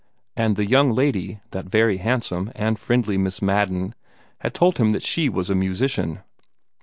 And the young lady, that very handsome and friendly Miss Madden, had told him that she was a musician!